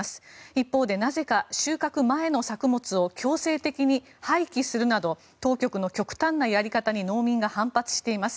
一方で、なぜか収穫前の作物を強制的に廃棄するなど当局の極端なやり方に農民が反発しています。